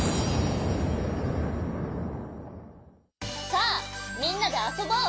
さあみんなであそぼう！